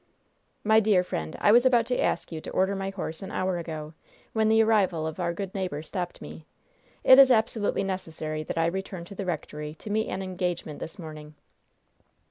"My dear friend, I was about to ask you to order my horse an hour ago, when the arrival of our good neighbor stopped me. It is absolutely necessary that I return to the rectory to meet an engagement this morning."